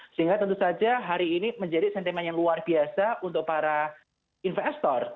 sehingga tentu saja hari ini menjadi sentimen yang luar biasa untuk para investor